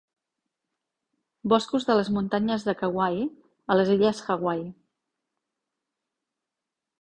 Boscos de les muntanyes de Kauai, a les illes Hawaii.